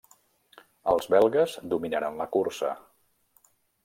Els belgues dominaren la cursa.